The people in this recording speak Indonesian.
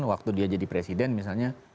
waktu dia jadi presiden misalnya